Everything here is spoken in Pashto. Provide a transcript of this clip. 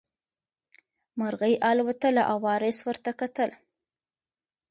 مرغۍ الوتله او وارث ورته کتل.